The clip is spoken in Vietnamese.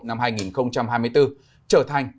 năm hai nghìn hai mươi bốn trở thành